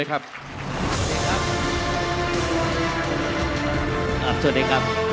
ฉบับวันที่๒๘ตุลาคมพุทธศักราช๒๕๖๐